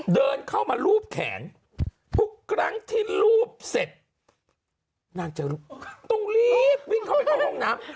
เดินเข้ามารูปแขนทุกครั้งที่รูปเสร็จนางเจอลูกต้องรีบวิ่งเข้าไปเข้าห้องน้ำ